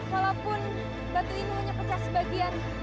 walaupun batu ini hanya pecah sebagian